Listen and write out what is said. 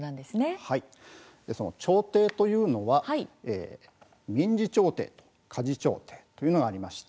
調停というのは民事調停家事調停というものがあります。